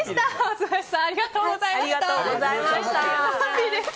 松林さんありがとうございました。